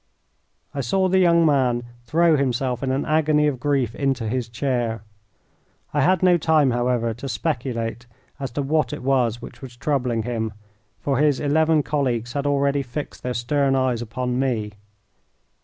I saw the young man throw himself in an agony of grief into his chair. I had no time, however, to speculate as to what it was which was troubling him, for his eleven colleagues had already fixed their stern eyes upon me.